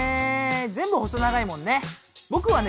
全部細長いもんね。